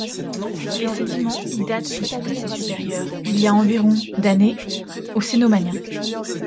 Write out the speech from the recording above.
Les sédiments y datent du Crétacé supérieur, il y a environ d'années, au Cénomanien.